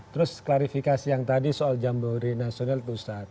terus klarifikasi yang tadi soal jambore nasional itu ustadz